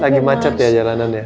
lagi macet ya jalanan ya